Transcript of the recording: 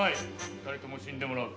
二人とも死んでもらう。